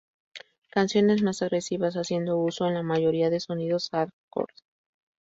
Canciones más agresivas, haciendo uso en la mayoría de sonidos "hardcore".